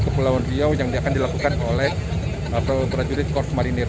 kepulauan riau yang akan dilakukan oleh prajurit korps marinir